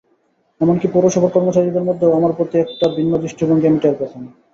এমনকি পৌরসভার কর্মচারীদের মধ্যেও আমার প্রতি একটা ভিন্ন দৃষ্টিভঙ্গি আমি টের পেতাম।